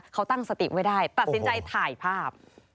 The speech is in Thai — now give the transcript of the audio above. เขาตั้งสติไว้ได้ตัดสินใจถ่ายภาพ